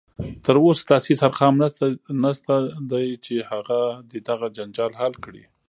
تر اوسه داسې هیڅ ارقام نشته دی چې هغه دې دغه جنجال حل کړي